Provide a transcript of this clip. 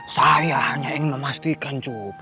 saya hanya ingin memastikan juga